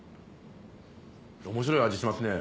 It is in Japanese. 面白い味しますね